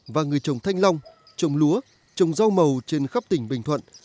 và người trồng thanh long trồng lúa trồng rau màu trên khắp tỉnh bình thuận